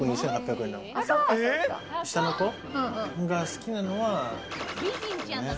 下の子が好きなのは。